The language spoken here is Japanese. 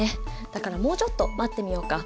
だからもうちょっと待ってみようか。